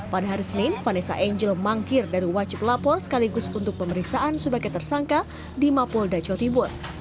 pada hari senin vanessa angel mangkir dari wajib lapor sekaligus untuk pemeriksaan sebagai tersangka di mapolda jawa timur